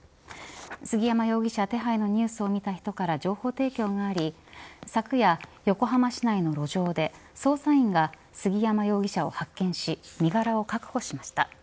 杉山容疑者手配のニュースを見た人から情報提供があり昨夜、横浜市内の路上で捜査員が杉山容疑者を発見し身柄を確保しました。